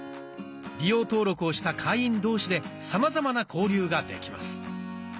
利用登録をした会員同士でさまざまな交流ができます。